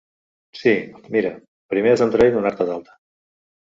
Sí, mira, primer has d'entrar i donar-te d'alta.